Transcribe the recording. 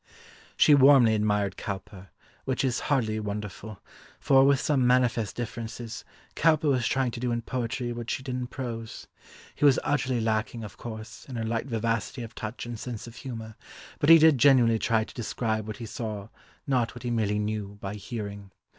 She warmly admired Cowper, which is hardly wonderful, for, with some manifest differences, Cowper was trying to do in poetry what she did in prose. He was utterly lacking, of course, in her light vivacity of touch and sense of humour, but he did genuinely try to describe what he saw, not what he merely knew by hearing.